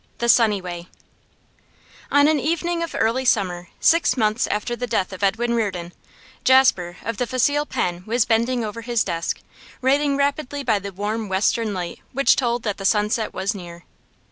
THE SUNNY WAY On an evening of early summer, six months after the death of Edwin Reardon, Jasper of the facile pen was bending over his desk, writing rapidly by the warm western light which told that sunset was near.